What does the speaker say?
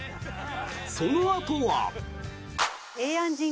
そのあとは。